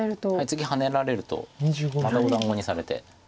次ハネられるとまたお団子にされて。